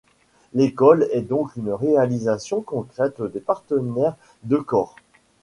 L'école est donc une réalisation concrète des partenaires d'Eucor.